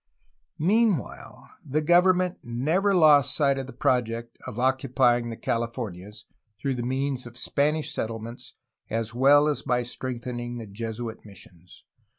Meanwhile the government never lost sight of the project of occupying the Californias through the means of Spanish settlements as well as by strengthening the Jesuit missions.